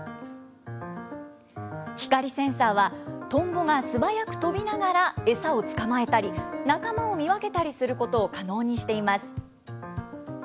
光センサーは、トンボが素早く飛びながら餌を捕まえたり、仲間を見分けたりすることを可能にしています。